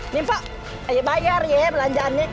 ini pak ayo bayar ya belanjaannya